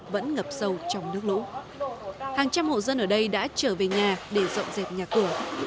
vẫn ngập sâu trong nước lũ hàng trăm hộ dân ở đây đã trở về nhà để dọn dẹp nhà cửa